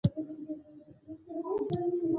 ته ښایست د حیا نه وې بدرنګي وې بد نما وې